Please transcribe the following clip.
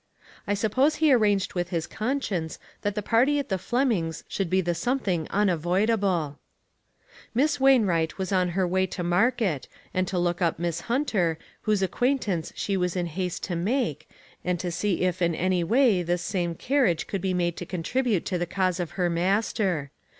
I suppose he arranged with his con science that the party at the Flemings' should be the something unavoidable. THINGS THAT FITTED. 2/1 Miss Wain wright was on her way to mar ket, and to look up Miss Hunter, whose acquaintance she was in haste to make and to see if in any way this same carriage could be made to contribute to the cause of her Master.